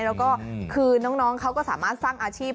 แล้วก็คือน้องเขาก็สามารถสร้างอาชีพ